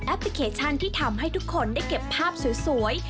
พลิเคชันที่ทำให้ทุกคนได้เก็บภาพสวย